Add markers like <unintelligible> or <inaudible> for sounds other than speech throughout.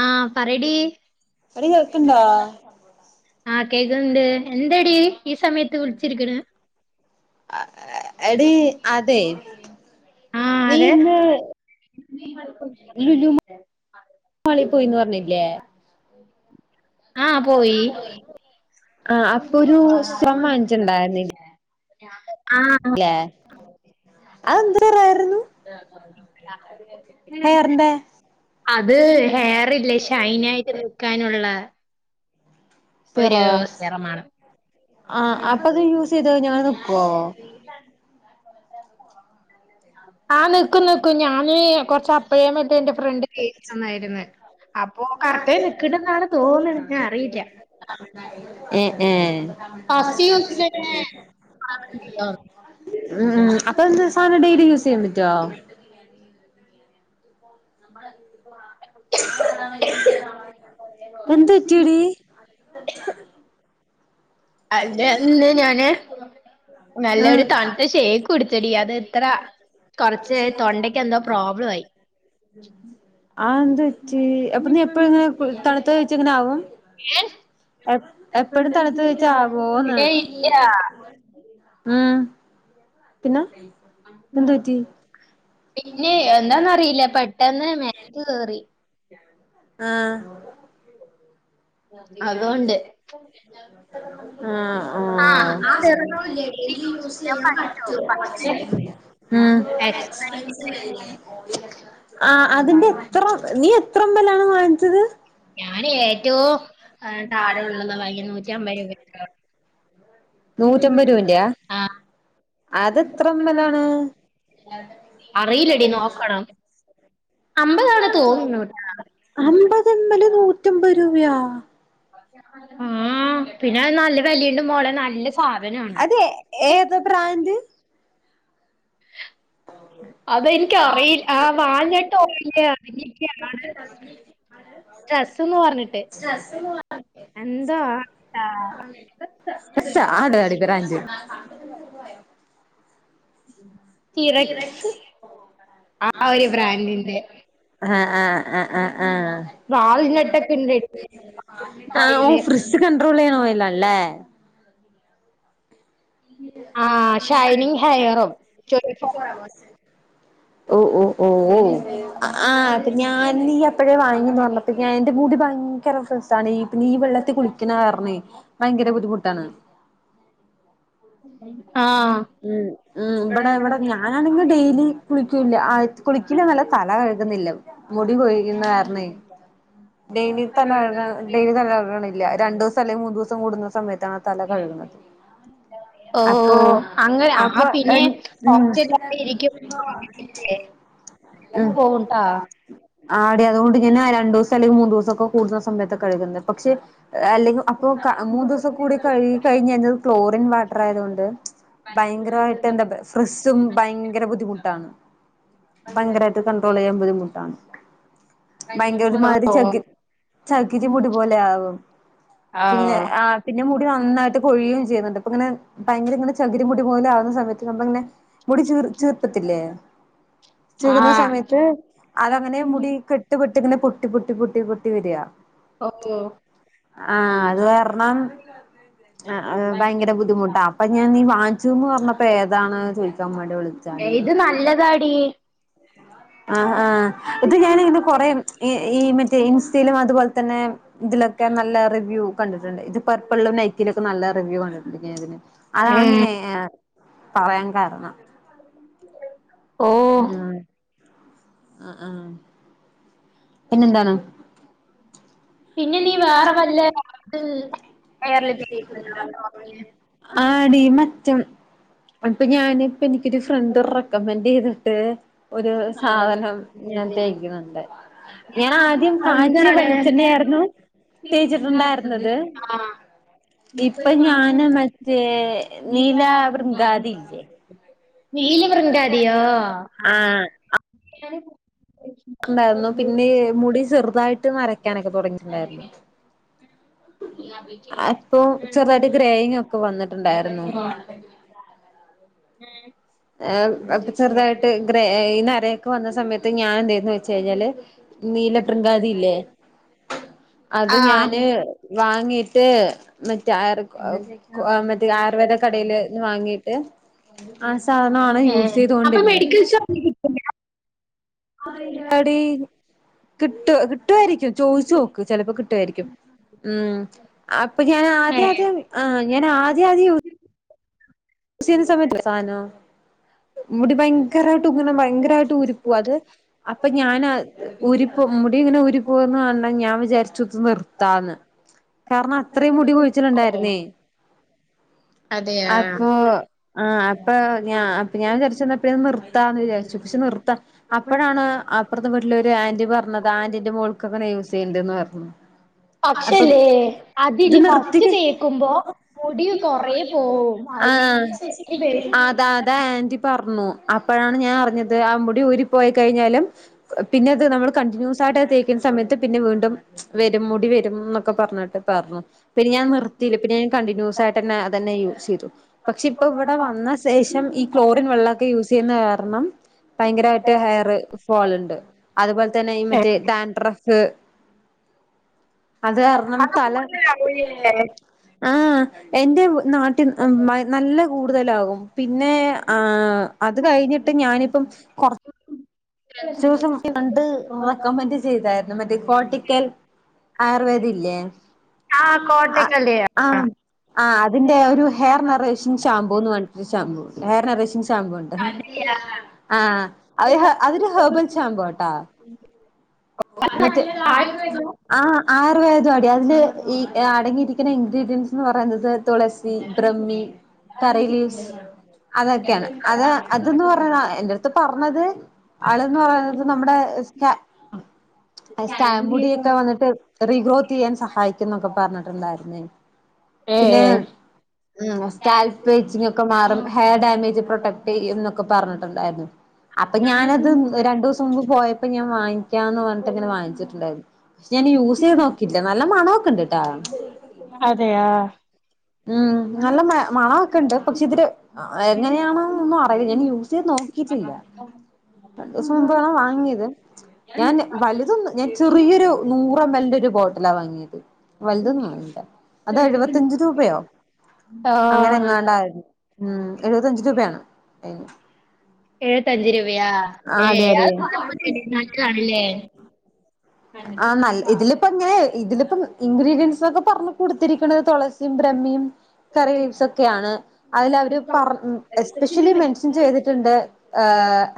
ആ പറടി എടി കേൾക്ക്ണ്ടോ ആ കേക്ക്ണ്ണ്ട് എന്തെടി ഈ സമയത്ത് വിളിച്ചിരിക്ണ് അഹ് എടീ അതെയ് ആഹ് നീ അതെ ഇന്ന് ലുലു മാള പോയിന്ന് പറഞ്ഞില്ലേ ആഹ് പോയി ആഹ് അപ്പൊ ഒരു ശ്രം വങ്ങിച്ചുണ്ടായിരുന്ന <unintelligible> അല്ലെ അ എന്ത് വേറാരുന്നു. ഹെയറിന്റെ അത് ഹെയർ അയിനായിട്ട് നിക്കാനുള്ള ഒരു സിറോ സെറമാണ്. ആ അപ്പൊ അത് യൂസ് ചെയ്ത ഞാൻ നക്കുവോ ആ ആഹ് നിക്കും നിക്കും ഞാന് കൊറച്ച അപ്പഴേ മറ്റേന്റെ ഫ്രണ്ട് ചേച്ച തന്നായിര്ന്ന് അപ്പൊ കറുത്തേ നിക്കണന്നാണ് തോന്നന്നെ ഞ് അറിയില്ല ഏഹ് ഏഹ് ഫസ്റ്റ് യൂസിലെന്നെ ഉം. അപ്പൊ എന്ത് സാനോം ഡെയ്ലി യൂസ് റ്റാ എന്ത് ശ പറ്റിയെടി അതെന്ത് ഞാന് ആ നല്ലൊരു തണുത്ത ഷേക്ക് കുട്ച്ചെടി അതിത്ര കൊറച്ച് തൊണ്ട എന്തോ പ്രോബ്ലം ആയി. ആന്ത്‌ പറ്റി അപ്പൊ നീ എപ്പഴും ഇങ്ങനെ തണുത്ത കഴിച്ച ങ്ങനെ ആകും ഏഹ് എ എപ്പഴും തലത്ത് വച്ചാകോന്ന് ഏ ഇല്ല ഉം. പിന്നെ, എന്ത് പറ്റി? പിന്നെ എന്താന്നറിയില്ല പെട്ടെന്ന് മ കേറി ആഹ് അതോണ്ട്. ആഹ്, ആഹ്. ആസ്പ്പറ്റോൾ ഇല്ലേ? യൂസ് ചെയ്യാൻ പറ്റും. <inaudible> മ് എക്സ്പൻസ് എക്സ്പെൻസീവ് ആഹാ അതിന്റെത്ര നീ എത്രമ്മല്ലാണ് വാങ്ങിച്ചത്? ഞാനേറ്റവും ഏഹ് താഴെയുള്ളതാ വാങ്ങിയെ ന്നൂറ്റിഅമ്പെ രൂപക്കൊള്ള നൂറ്റമ്പത് രൂപറ്റയാ? അതെത്ര എമ്മല്ലാണ്? അറിയില്ലെടി നോക്കണം. അമ്പതാണ് തോന്നുന്നൂട്ടാ അമ്പത് എമ്മല് നൂറ്റമ്പത് രൂപയോ? ആഹാ പിന്നതിന് നല്ല വെലീണ്ട് മോളെ നല്ല സാധനോണ് അതെ ഏതാ ബ്രാൻഡ്? അതെനിക്കറിയില്ല്യ ആഹാ വാങ്ങിട്ട് <unintelligible> അറിഞ്ഞിരിക്കാണ്ന്ന് സ്ട്രെസ്സൊന്ന് കൊർഞ്ഞിട്ടി <unintelligible> എന്താ ആടടി ബ്രാൻഡ് <unintelligible> സിറക്സ് ആ ഒരു ബ്രാൻഡിന്റെ ആഹ് ആഹ ആഹ ആഹ ആഹ വാൾനട്ടൊക്കെ ഉണ്ട് ആ ഓ ഓയില് ഫ്രിസ്റ്റ് കണ്ട്രോളെയ്യ്ണ ഓയലാല്ലേ? ആ ഷൈനിങ് ഹെയറും ടൊന്റി ഫോറ് ഓ ഓ ഓ ഓ ആ അത് ഞാൻ നീ അപ്പഴെ വാങ്ങിന്നർഞ്ഞപ്പക്ക് എന്റെ മുടി ഭയങ്കര ഫെ പിന്നീ വെള്ളത്തി കുളിക്ണ കാരണേ ഭയങ്കര ബുദ്ധിമുട്ടാണ് <inaudible> ആഹാ ഉം മ് ഇബടെ ഇവടെ ഞാനാണെങ്കില് ഡെയിലി കുളികൂല്ല കുളിക്കില്ലാന്നല്ല തല കഴുകുന്നില്ലപ്പൊ മുടി പോയിയ്ന്ന കാരണെ ഡെയിലി തല ഡെയിലി തലകയ്ക്ണില്ല രണ്ടൂസം തല മൂന്ന് ദിവസം കൂടുന്ന സമയത്താണ് ആ തല കഴ്ക്ണത് ഓ അപ്പൊ അങ്ങനെ ആ അപ്പൊ പിന്നെ എൻ എ കുറച്ചെല്ലാതെ ഇരിക്കും ം പോവുംട്ടാ ആടി അതുകൊണ്ട് ഞാൻ രണ്ടൂസം അല്ലെങ്കിൽ മൂന്നു ദിവസം ദിവസൊക്കെ കൂടുന്ന സമയത്ത് കഴുകുന്നത് പക്ഷേ അല്ലെങ്കിൽ അപ്പോ മൂന്ന് ദിവസം കൂടി കഴി കഴിഞ്ഞത് ക്ലോറിൻ വാട്ടർ ആയതുകൊണ്ട് ഭയങ്കരമായിട്ട് എന്താ <unintelligible> സ്‌ട്രെസും ഭയങ്കര ബുദ്ധിമുട്ടാണ്. ഭയങ്കരായിട്ട് കൺണ്ട്രോളി യ്യാൻ ബുദ്ധിമുട്ടാണ്. ഭയങ്കര ഒരു മാതിരി ചകി ചകിരി മുടി പോലെ ആകും. പിന്നെ ആ പിന്നെ മുടി നന്നായിട്ട് കൊഴിയുകയും ചെയ്യുന്നുണ്ട് ഇപ്പൊങ്ങനെ ഭയങ്കരങ്ങനെ ചെ ചകിരി മുടി പോലെ ആകുന്ന സമയത്ത് നമ്മളങ്ങനെ മുടി ചീർ ചീർത്ത്ട്ടില്ലെ? ആ ചീകുന്ന സമയത്ത് അതങ്ങനെ മുടി കെട്ട് പൊട്ട്ക്ണ് പൊട്ടി പൊട്ടി പൊട്ടി പൊട്ടി വെര്വാ. ഓക്കെ ഒ ആ അത് കാരണം ആ ഭങ്കര ബുദ്ധിമുട്ടാ അപ്പൊ ഞാൻ നീ വാങ്ങിച്ചൗന്ന് പറഞ്ഞപ്പോ ഏതാണ് ചോയിക്കാ വേണ്ടി വിളിച്ചാടി എയ് ത് നല്ലതാടീ. ആ ആഹ് ഇത് ഞാൻ ഇന്ന് കൊറെ ഈ മറ്റേ ഇൻസ്റ്റയിലും അതുപോലെ തന്നെ ഇതിലൊക്കെ നല്ല റിവ്യൂ കണ്ടിട്ടുണ്ട്. ഇത് പർപ്പിളിലും നൈക്കിലൊക്കെ നല്ല റിവ്യൂ കണ്ടിട്ടുണ്ട് ഇതിന്. അതാങ്ങനെ ഏ പറയാൻ കാരണം. ഓ ആഹ് അ ആ പിന്നെന്താണ്? പിന്നെ നീ വേറെ വല്ല ഹെയറിൽ തേക്കുന്നുണ്ടോ ആ ടി മറ്റ് ഇപ്പൊ ഞാനിപ്പൊ എനിക്കൊരു ഫ്രണ്ട് റെക്കമെന്റ് ചെയ്തിട്ട് ഒരു സാധനം ഞാൻ തേക്ക്ണണ്ട് ഞാൻ ആദ്യം കാച്ചിയ വെളിച്ചെണ്ണ ആയിരുന്നു തേച്ചിട്ടുണ്ടായിരുന്നത് ആഹ് ഇപ്പൊ ഞാന് മറ്റേ നീലാഭൃംഗാദില്ലെ നീലാഭൃംഗാദിയോ? ആഹ് ണ്ടായിരുന്നു പിന്നെ മുടി ഈ ചെറുതായിട്ട് നാരാക്കാനൊക്കെ തുടങ്ങിട്ടുണ്ടായിരുന്നു. അപ്പൊ ചെറുതായിട്ട് ഗ്രെയിങ് ഒക്കെ വന്നിട്ടുണ്ടായിരുന്നു. അ് അ് അപ്പൊ ചെറുതായിട്ട് ഗ്രെ ഈ നരയൊക്കെ വന്ന സമയത്ത് ഞാൻ എന്തീതൂന്ന് വെച്ചെയിഞ്ഞാല് നീലഭൃംഗാദില്ലേ അത് ഞാന് വാങ്ങീട്ട് മറ്റേ മറ്റേ ആയുർവേദ കടയില് വാങ്ങിട്ട് സാധനാണ് യൂസ് ചെയ്തോണ്ടിരുന്നെ. ആ ടി കിട്ടു കിട്വായിരിക്കും ചോദിച്ച്നോക്ക് ചെലപ്പോ കിട്ടുയായിരിക്കും. ം അപ്പൊ ഞാൻ ആദ്യ ആദ്യം ആ ഞാൻ ആദ്യം ആദ്യം ചിശുന്ന സമയത്ത് മുടി ഭയങ്കരായിട്ട് ങനെ ഭയങ്കരായിട്ട് ഊരിപ്പൂവ അത് അപ്പൊ ഞാനാ ഊരിപ്പൊ മുടിങ്ങനെ ഊരി പോന്ന് കണ്ടാ ഞാൻ വിചാരിച്ചു നിർത്താന്ന്. കാരണം അത്രീം മുടി കൊഴിച്ചിലുണ്ടായിരുന്നേയ്. അതെ ആ അപ്പൊ ആ അപ്പൊ ഞ ഞാൻ വിചാരിച്ചു എന്നാ പിന്നെ നിർത്താന്ന് വിചാരിച്ചു പക്ഷെ നിർത്താ അപ്പോഴാണ് അപ്പുറത്തെ വീട്ടിലെ ഒരു ആന്റി പറഞ്ഞത് ആന്റിന്റെ മോൾക്കൊകെ ങ്ങനെ യൂസിയ്യ്ൺണ്ട് പറഞ്ഞു. അപ്പൊ പക്ഷല്ലേ ത് അതില് ഫസ്റ്റ് നിർത്തിക്ക തേക്കുമ്പോ മുടി കൊറേ പോവും ആ അതാ അതാന്റി പറനു അപ്പോഴാണ് ഞാൻ അറിഞ്ഞത് ആ മുടി ഊരി പോയിക്കഴിഞ്ഞാലും പിന്നെത് നമ്മൾ കണ്ടിന്യൂസ് ആയിട്ട് തേക്കുന്ന സമയത്ത് പിന്നെ വീണ്ടും വരും മുടി വരും ന്നൊക്കെ പറഞ്ഞിട്ട് പറഞ്ഞു പിന്നെ ഞാൻ നിർ ലപ്പിന ഞാൻ കണ്ടിന്യൂസ് ആയിട്ട് തന്നെ അതന്നെ യൂസ് ചെയ്തു പക്ഷെ ഇപ്പവടെ വന്ന ശേഷം ഇ ക്ലോറിൻ വെള്ളോക്കെ യൂസ്യ്യുന്ന കാരണം ഭയങ്കരായിട്ട് ഹെയർ ഫോൾ ഉണ്ട് അതുപോലെ തന്നെ ഈ മറ്റേ ഡാൻഡ്രഫ് അത് കാരണം തല ആ എന്റെ നാട്ടി നല്ല കൂടുതലാകും പിന്നെ ആ അത് കഴിഞ്ഞിട്ട് ഞാനിപ്പം കൊർ <unintelligible> കണ്ട് റെക്കമന്റ് ചെയ്തായിരുന്നു മറ്റേ കോട്ടിക്കൽ ആയുർവേദ ഇല്ലേ ആഹ് ആ കോട്ടക്കല്ലിയോ ആഹ് ആഹ് അതിന്റെ ഒരു ഹെയർ നറേഷൻ ഷാമ്പൂ എന്ന് പറഞ്ഞിട്ട് ഷാമ്പൂണ്ട് ഹെയർ നറേഷൻഷാമ്പൂണ്ട് ആ അതൊരു ഹേർബൽ ഷാമ്പോട്ടാ മറ്റേ ആ ആയുർവേദടി അതില് ഈ അടങ്ങിയിരിക്കുന്ന ഇൻഗ്രീഡിയൻസ് ന്ന് പറയുന്നത് തുളസി ബ്രഹ്മി കറി ലീവ്സ് അതൊക്കെയാണ് അത് അതന്ന് പറയ എന്റെടുത്ത് പറഞ്ഞത് ആള്ന്ന് പറയുന്നത് നമ്മുടെ സ് സ്കാംമ്പൊടിയൊക്കെ വന്നിട്ട് റീഗ്രോത്ത് ചെയ്യാൻ സഹായിക്കുന്നൊക്കെ പറഞ്ഞിട്ടുണ്ടാര്ന്നേ പിന്നെ ഏഹ് ഉ സ്കാൽ പേ ഇച്ചിങ്ങോക്കെ മാറും ഹെയർ ഡാമേജ് പ്രൊട്ടക്ട് ചെയ്യുംന്നൊക്കെ പറഞ്ഞിട്ടുണ്ടായിരുന്നു അപ്പൊ ഞാനത് രണ്ടു ദിവസം മുമ്പ് പോയപ്പോ ഞാൻ വാങ്ങിക്കാന്ന് പറഞ്ഞിട്ട്ങ്ങനെ വാങ്ങിച്ചിട്ടുണ്ടായിരുന്നു ക്ഷെ ഞാൻ യൂസ് ചെയ്ത് നോക്കില്ല നല്ല മണൊക്കെണ്ട്ട്ടാ അതെ ആ ഉം നല്ല മ മണൊക്കെുണ്ട് പക്ഷെ ഇതില് എങ്ങനെയാണെന്നൊന്നും അറിയില്ല ഞാൻ യൂസ് ചെയ്ത് നോക്കിട്ടില്ല അത് സ്വന്ത വാങ്ങിയത് ഞാൻ വലുതോന്ന് ഞാൻ ചെറിയൊരു നൂറ എം എല്ലിന്റെ ഒരു ബോട്ടിലാ വാങ്ങിയത് വലുതോന്നുവേണ്ട അത് എഴുപത്തഞ്ച് രൂപയോ അങ്ങനെ ആഹ് അങ്ങാണ്ടായിരുന്നു ഉം എഴുപത്തഞ്ച് രൂപയാണ് അയിന് എഴുത്തഞ്ച് രൂപയാ ഏ ആഹ് അതെ അത് അതെ കുഴപ്പല്യടീ നാല്ലതാണല്ലേ ആ നല്ല ഇതില് ഇപ്പങ്ങനെ ഇതിലിപ്പം ഇൻഗ്രീഡിയൻറ്സൊക്കെ പറഞ് കൊടുത്തിരിക്കണുത് തുളസിയും ബ്രഹ്മയും കറി ലീപ്സൊക്കെയാണ് അതിലവര് പർ എസ്പെഷ്യലി മെൻഷൻ ചെയ്തിട്ടുണ്ട് ഏ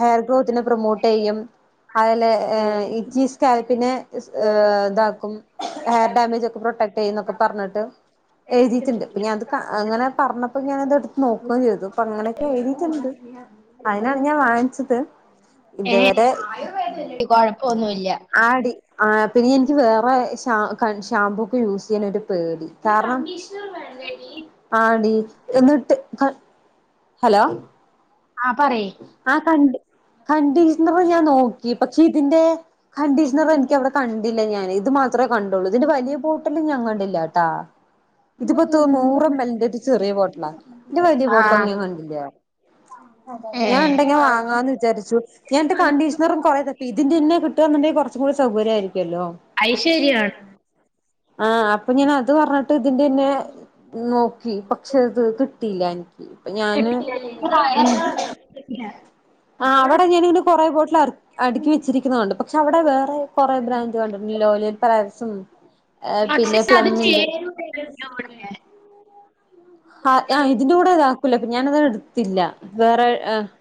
ഹെയർ ഗ്രോത്തിനെ പ്രൊമോട്ട് ചെയ്യും അതപോലെ ഏ ഇച്ചീസ് കാ പിന്നെ താക്കും ഹെയർ ഡാമേജൊക്കെ പ്രൊട്ടക്ട് ചെയ്യന്നൊക്കെ പറഞ്ഞിട്ട് എഴുതിയിട്ടുണ്ട് ഇപ്പ ഞാനത് ക അങ്ങനെ പറഞ്ഞപ്പോ ഞാനത്ടുത്ത് നോക്കുകയും ചെയ്തു പറഞ്ഞ കണക്ക് എഴുതിട്ടുണ്ട് അതിനാണ് ഞാൻ വാങ്ങിച്ചത് ഇതുവരെ കൊഴപ്പൊന്നുമില്ല ആടി ആ പിന്നെ എനിക്ക് വേറെ ഷാ ക ഷാമ്പൂ ഒക്കെ യൂസ് ചെയ്യാൻ ഒരു പേടി കാരണം ആടി ന്നിട്ട് ഹലോ ആ പറയ് ആ കണ്ട് കണ്ടിഷ്ണർ ഞാൻ നോക്കി പക്ഷെതിന്റെ കണ്ടീഷണർ എനിക്കവിടെ കണ്ടില്ല ഞാൻ ഇത് മാത്രമേ കണ്ടുള്ളൂ ഇതിന്റെ വലിയ ബോട്ടിലും ഞാൻ കണ്ടില്ലട്ടാ ഇതിപ്പോ നൂറ് എം എല്ലിന്റെ ചെറിയ ബോട്ടിലാ ഇന്റെ വല്ല്യ ബോട്ടിലൊന്നും ആഹ് ഞാൻ കണ്ടില്ലോ <inaudible> ഏ ഞാൻ ഉണ്ടെങ്കി വാങ്ങാന്ന് വിചാരിചു ഞാനൻ് കണ്ടീഷണറും കുറേതപ്പി ഇതിന്റെന്നെ ട്ടാന്ന്ണ്ടെങ്കിൽ കുറച്ചും കൂടി സൗകര്യായിരിക്കല്ലോ അയ്ശരിയാണ് ആ അപ്പൊ ഞാൻ അത് പറഞ്ഞിട്ട് ഇതിന്റെന്നെ നോക്കി പക്ഷേ അത് കിട്ടില്ല നിക്ക് ഇപ്പ ഞാന് കിട്ടില്ലേ ആഹ് അവിടെ ഞാനിങ്ങനെ കൊറെ ബോട്ടിൽ അടുക്കി വെച്ചിരിക്കുന്നണ്ട് അവിടെ വേറെ കൊറെ ബ്രാൻഡ് കണ്ടിട്ടുണ്ടല്ലോ ലോലിയൽ പ്രയസും എ പക്ഷെ പിന്നെ അത് സ്ലമ്മിന്റെ ചേരുവല്ലോ ഇവിടത്തെ ഹാ ആഹ് ഇതിന്റെ കൂടെ ഇതാക്കൂല അപ്പൊ ഞാനതടുത്തില്ല വേറെ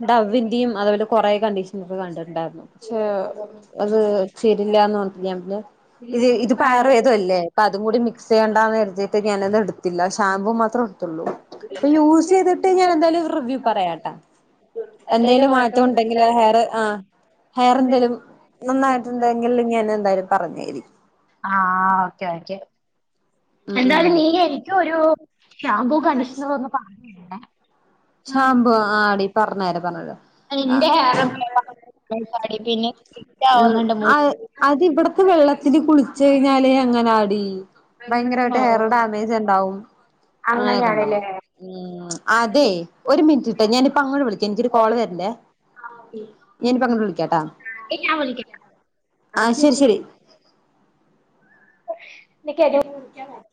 ഡവ്വിന്റീം അതേപോലെ കൊറെ കണ്ടീഷൻസ് കണ്ടിട്ടുണ്ടായിരുന്നു. പക്ഷേ അത് ശരില്ലാന്ന് പറഞ്ഞറഞ്ഞ് ഇത് ഇത് പയർവേദു അല്ലേ? അപ്പതും കൂടിം മിക്സ്യ്യണ്ടാന്ന് കരുതീട്ട് ഞാനത് എടുത്തില്ല ഷാമ്പൂ മാത്രം എടുത്തൊള്ളൂ ഇപ്പൊ യൂസെയ്തിട്ട് ഞാനെന്തായാലും റിവ്യൂ പറയാട്ടാ എന്തേലും മാറ്റം ഉണ്ടെങ്കിലാ ഹെയറ് ആഹ് ഹെയറെന്തേലും നന്നായിട്ടുണ്ടെങ്കിൽ ഞാനെന്തായാലും പറഞ്ഞേരി ആഹ് ആഹ് ഓക്കെ ഓക്കെ ഉം ഉം എന്തായാലും നീ എനിക്കും ഒരു ഷാമ്പൂ കണ്ടീഷണറോന്നു പറഞ്ഞേരേണെ ഷാമ്പൂ ആഹ് ടീ പർഞ്ഞെരാ പറഞ്ഞെരാ എന്റെ ഹെയർ ആഹ് പിന്നെ സ്ട്രിക്റ്റ് ഉം ആവുന്നുണ്ട് മുടി അത് അത് ഇവിടത്തെ വെള്ളത്തില് കുളിച്ച് കഴിഞ്ഞാലേ അങ്ങനാടീ ഭയങ്കരായിട്ട് ഓ ഹെയറ് ട മേജെണ്ടാവും അങ്ങനെയൊക്കെ അങ്ങനെയാണല്ലേ. ഒണ്ടാവും ഉം അതേയ് ഒരു മിനിറ്റിട്ടോ ഞാനിപ്പോ അങ്ങോട്ട് വിളിക്കാം എനിക്കൊരു ഓ, കോള് വെര്ണ്ടേ ഞാനിപ്പോ അങ്ങണ്ട് വിളിക്കാട്ടോ എന്നാ ഞാൻ വിളിക്കാം ആഹ് ശെരി ശെരി നിക്കൊരു <unintelligible>